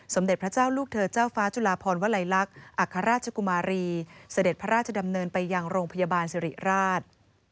สมเด็จพระเจ้าลูกเธอเจ้าฟ้าจุลาพรวลัยลักษณ์อัครราชกุมารีเสด็จพระราชดำเนินไปยังโรงพยาบาลสิริราช